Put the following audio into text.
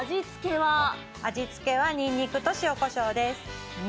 味付けは、にんにくと塩こしょうです。